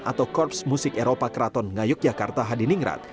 atau korps musik eropa keraton ngayuk yogyakarta di ningrat